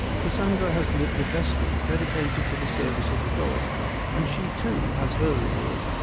Cassandra has lived a vestal, dedicated to the service of the god, and she too has her reward.